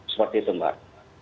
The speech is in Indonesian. seperti itu mbak